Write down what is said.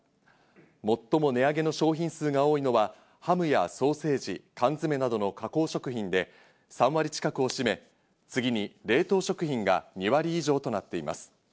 最も値上げの商品数が多いのはハムやソーセージ、缶詰などの加工食品で、３割近くを占め、次に冷凍食品が２割以上となっています。